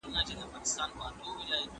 د بدن غړي په حرکت کي وساتئ.